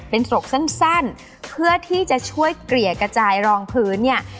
เป็นศรกสั้นเพื่อที่จะช่วยเกลี่ยกระจายรองพื้นเนี่ย